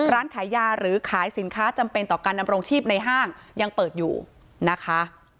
ร้านขายยาหรือขายสินค้าจำเป็นต่อการดำรงชีพในห้างยังเปิดอยู่นะคะ